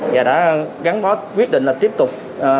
và đã gắn bó quyết định là tiếp tục